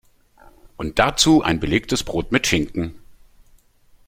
Und dazu ein belegtes Brot mit Schinken.